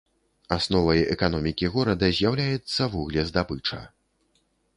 Асновай эканомікі горада з'яўляецца вуглездабыча.